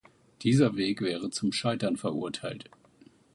Dieser Weg wäre zum Scheitern verurteilt.